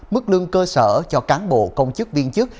mức lương cơ sở cho cán bộ công chức viên chức